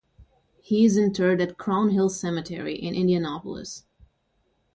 He is interred at Crown Hill Cemetery in Indianapolis.